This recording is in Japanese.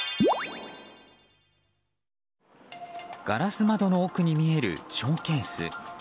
ガラス窓の奥に見えるショーケース。